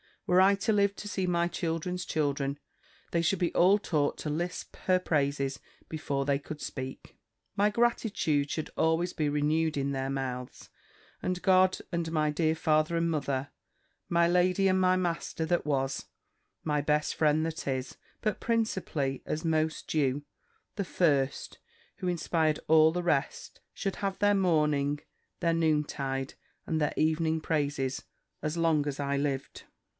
Were I to live to see my children's children, they should be all taught to lisp her praises before they could speak. My gratitude should always be renewed in their mouths; and God, and my dear father and mother, my lady, and my master that was, my best friend that is, but principally, as most due, the FIRST, who inspired all the rest, should have their morning, their noontide, and their evening praises, as long as I lived!